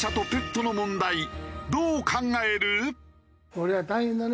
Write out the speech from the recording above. これは大変だね。